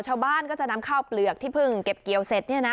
ชาวบ้านก็จะนำข้าวเปลือกที่เพิ่งเก็บเกี่ยวเสร็จเนี่ยนะ